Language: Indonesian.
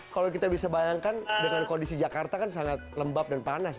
kalau kita bisa bayangkan dengan kondisi jakarta kan sangat lembab dan panas ya